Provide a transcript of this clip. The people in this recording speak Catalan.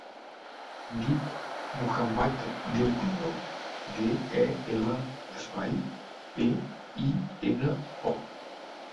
Em dic Muhammad Del Pino: de, e, ela, espai, pe, i, ena, o.